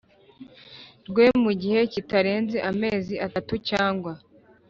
Rwe mu gihe kitarenze amezi atatu cyangwa